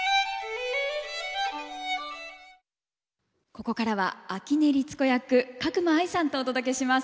ここからは秋音律子役加隈亜衣さんとお届けします。